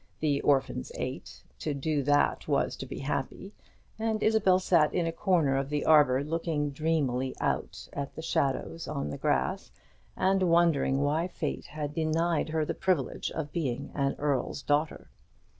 The orphans ate to do that was to be happy; and Isabel sat in a corner of the arbour, looking dreamily out at the shadows on the grass, and wondering why Fate had denied her the privilege of being an earl's daughter.